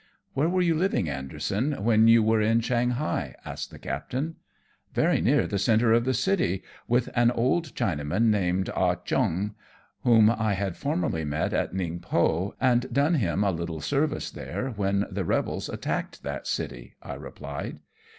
" Where were you living, Anderson, when you were in Shanghai ?" asks the captain. " Very near the centre of the city, with an old PASSAGE THROUGH SADDLE ISLANDS. 23 Chinaman named All Oheong, whom I had formerly met at Ningpo, and done him a little service there when the rebels attacked that city/' I replied.